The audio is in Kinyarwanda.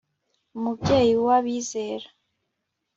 umubyeyi w'abizera